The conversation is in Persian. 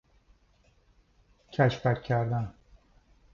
کشبک کردن